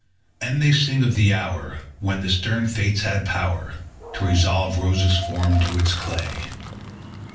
And they sing of the hour When the stern fates had power To resolve Rosa's form to its clay.